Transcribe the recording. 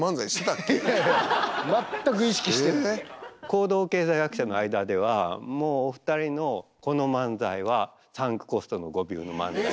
行動経済学者の間ではもうお二人のこの漫才はサンクコストの誤謬の漫才。